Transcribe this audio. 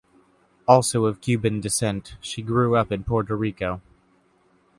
Also of Cuban descent, she grew up in Puerto Rico.